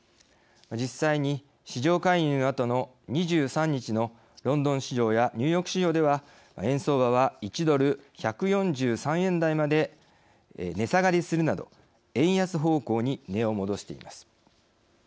実際に市場介入のあとの２３日のロンドン市場やニューヨーク市場では円相場は１ドル１４３円台まで値下がりするなど円安方向に値を戻しています。